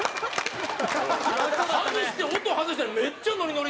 外して音外してんのにめっちゃノリノリで。